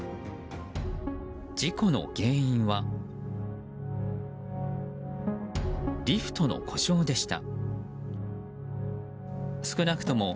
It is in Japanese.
事故の原因はリフトの故障でした。